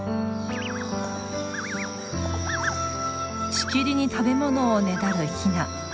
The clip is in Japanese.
しきりに食べ物をねだるヒナ。